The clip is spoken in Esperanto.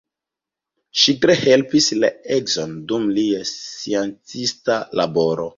Ŝi tre helpis la edzon dum lia sciencista laboro.